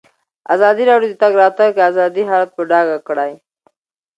ازادي راډیو د د تګ راتګ ازادي حالت په ډاګه کړی.